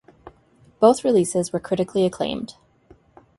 Both releases were critically acclaimed.